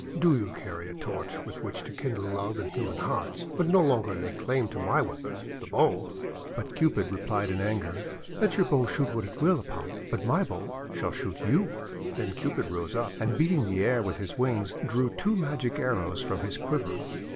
Do you carry a torch with which to kindle love in human hearts, but no longer lay claim to my weapon, the bow !>: But Cupid replied in anger: :<Let your bow shoot what it will, Apollo, but my bow shall shoot you!9 Then Cupid rose up, and beating the air with his wings, drew two magic arrows from his quiver.